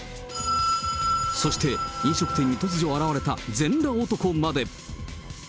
そして飲食店に突如現れた全裸男まで。